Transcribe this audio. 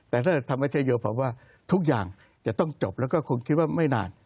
แต่ถ้าธรรมชโยผมว่าทุกอย่างจะต้องจบแล้วก็คงคิดว่าไม่นาน